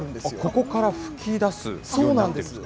ここから吹き出すそうなんです。